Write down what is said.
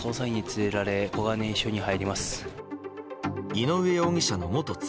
井上容疑者の元妻